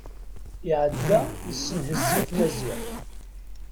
Iɛedda yessenhez-it Maziɣ.